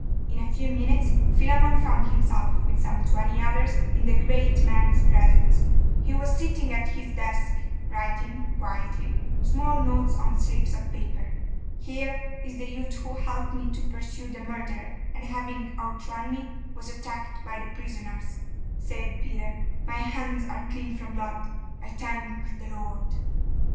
In a few minutes Philammon found himself, with some twenty others, in the great man's presence: he was sitting at his desk, writing, quietly, small notes on slips of paper. 'Here is the youth who helped me to pursue the murderer, and having outrun me, was attacked by the prisoners,' said Peter. 'My hands are clean from blood, I thank the Lord!